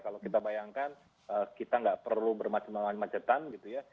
kalau kita bayangkan kita nggak perlu bermacam macam macetan gitu ya